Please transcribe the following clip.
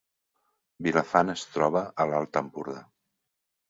Vilafant es troba a l’Alt Empordà